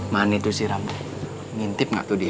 mana itu si rambut ngintip gak tuh dia